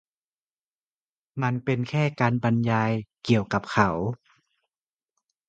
มันเป็นแค่การบรรยายเกี่ยวกับเขา